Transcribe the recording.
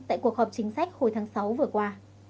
tại cuộc họp chính sách hồi tháng sáu vừa qua